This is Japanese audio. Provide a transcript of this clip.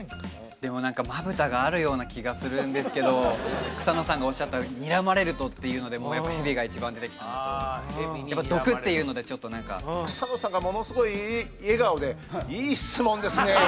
でも何かまぶたがあるような気がするんですけど草野さんがおっしゃったにらまれるとっていうのでやっぱヘビが一番出てきたのとやっぱ毒っていうのでちょっと何か草野さんがものすごいいい笑顔で「いい質問ですね」